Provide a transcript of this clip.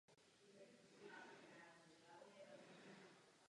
Byl rovněž synovcem německého kancléře Adolfa Hitlera.